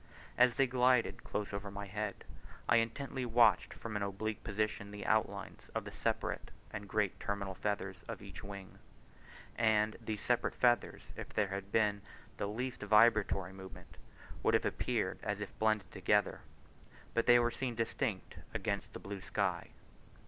As they glided close over my head, I intently watched from an oblique position, the outlines of the separate and great terminal feathers of each wing; and these separate feathers, if there had been the least vibratory movement, would have appeared as if blended together; but they were seen distinct against the blue sky.